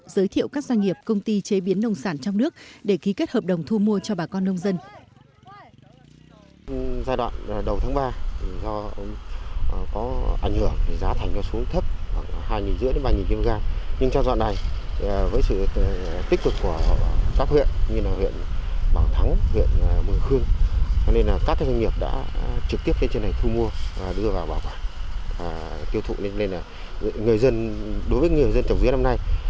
giới thiệu các doanh nghiệp công ty chế biến nông sản trong nước để ký kết hợp đồng thu mua cho bà con nông dân